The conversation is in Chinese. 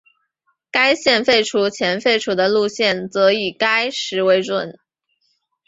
该线废除前废除的路线则以该时为准。